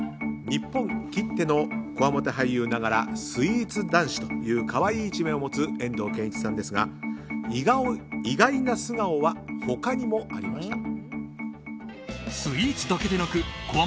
日本きってのこわもて俳優ながらスイーツ男子という可愛い一面を持つ遠藤憲一さんですが意外な素顔は他にもありました。